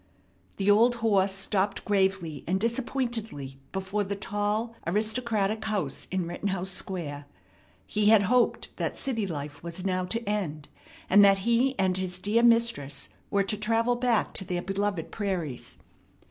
The old horse stopped gravely and disappointedly before the tall, aristocratic house in Rittenhouse Square. He had hoped that city life was now to end, and that he and his dear mistress were to travel back to their beloved prairies.